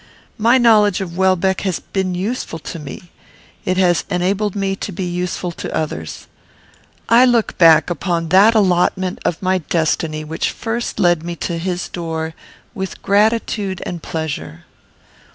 My knowledge of Welbeck has been useful to me. It has enabled me to be useful to others. I look back upon that allotment of my destiny which first led me to his door, with gratitude and pleasure.